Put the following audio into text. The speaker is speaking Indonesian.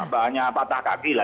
banyak patah kaki lah